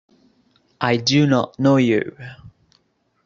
I do not know you.